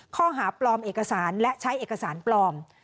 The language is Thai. ข้อหาปลอมเอกสารและใช้เอกสารปลอม